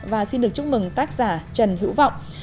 và xin được chúc mừng tác giả trần hữu vọng